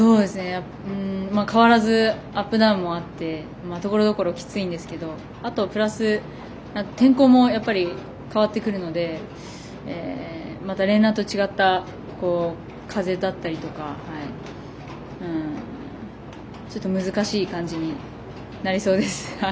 変わらずアップダウンもあってところどころ、きついんですけどあとプラス天候も変わってくるのでまた例年と違った風だったりとかちょっと難しい感じになりそうです。